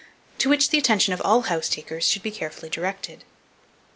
to which the attention of all house takers should be carefully directed.